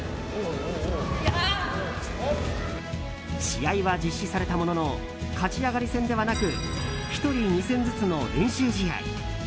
試合は実施されたものの勝ち上がり戦ではなく１人２戦ずつの練習試合。